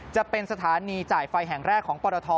จะเป็นสถานีจ่ายไฟแห่งแรกของปรท